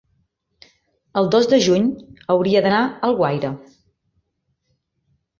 el dos de juny hauria d'anar a Alguaire.